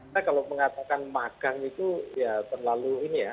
saya kalau mengatakan magang itu ya terlalu ini ya